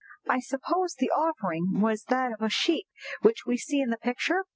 "I suppose the offering was that sheep which we see in the picture?"